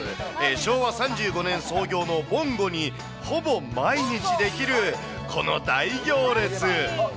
昭和３５年創業のぼんごに、ほぼ毎日出来るこの大行列。